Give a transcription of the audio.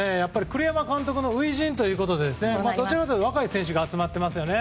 栗山監督の初陣ということでどちらかというと若い選手が集まってますよね。